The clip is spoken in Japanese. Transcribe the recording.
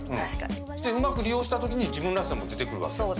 うまく利用したときに自分らしさも出てくるわけ。